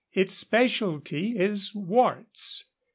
Its specialty is warts.